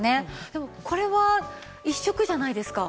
でもこれは１色じゃないですか。